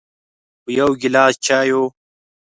په یو ګیلاس چایو